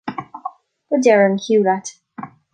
Go deireadh an chiú leat!